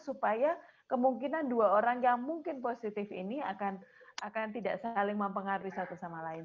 supaya kemungkinan dua orang yang mungkin positif ini akan tidak saling mempengaruhi satu sama lain